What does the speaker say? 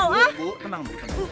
bu tenang bu tenang